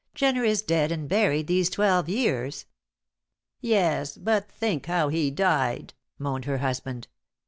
Jenner is dead and buried these twelve years." "Yes; but think how he died," moaned her husband.